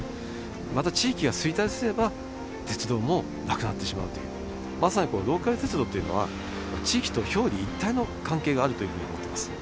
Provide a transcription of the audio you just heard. また、地域が衰退すれば、鉄道もなくなってしまうという、まさにローカル鉄道っていうのは、地域と表裏一体の関係があるというふうに思ってます。